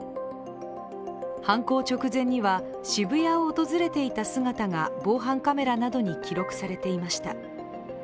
犯行直前には、渋谷を訪れていた姿が防犯カメラなどに記録されていました。